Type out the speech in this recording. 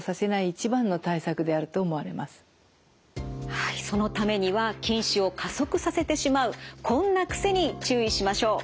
はいそのためには近視を加速させてしまうこんな癖に注意しましょう。